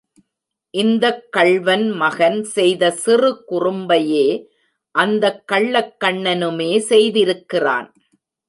இந்தக் கள்வன் மகன் செய்த சிறு குறும்பையே அந்தக் கள்ளக் கண்ணனுமே செய்திருக்கிறான்.